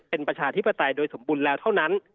เป็นประชาธิปไตยโดยสมบูรณ์แล้วเท่านั้น